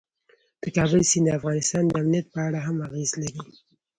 د کابل سیند د افغانستان د امنیت په اړه هم اغېز لري.